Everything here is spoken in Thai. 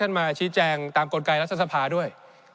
ในช่วงที่สุดในรอบ๑๖ปี